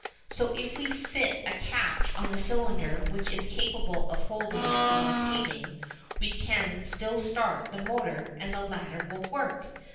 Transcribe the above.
So if we fit a catch on the cylinder which is capable of holding it from rotating, we can still start the motor, and the latter will work.